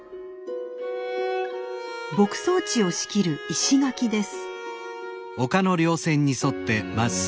牧草地を仕切る石垣です。